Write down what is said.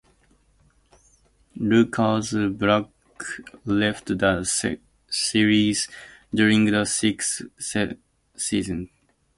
Lucas Black left the series during the sixth season.